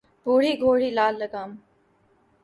بوڑھی گھوڑی لال لگام